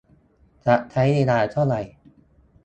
จะใช้เวลาเท่าไร